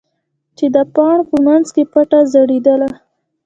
چې د پاڼو په منځ کې پټه ځړېدله.